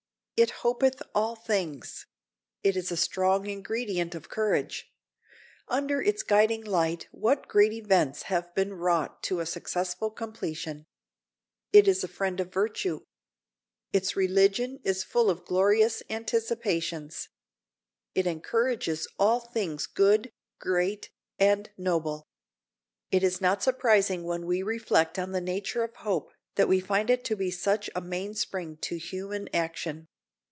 "It hopeth all things." It is a strong ingredient of courage. Under its guiding light what great events have been wrought to a successful completion! It is a friend of virtue. Its religion is full of glorious anticipations. It encourages all things good, great, and noble. It is not surprising when we reflect on the nature of hope that we find it to be such a mainspring to human action.